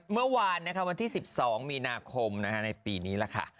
เมื่อวานวันที่๑๒มีนาคมในปีนี้แหละค่ะ